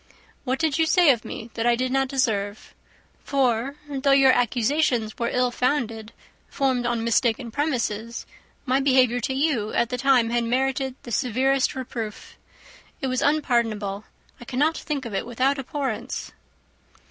"What did you say of me that I did not deserve? For though your accusations were ill founded, formed on mistaken premises, my behaviour to you at the time had merited the severest reproof. It was unpardonable. I cannot think of it without abhorrence."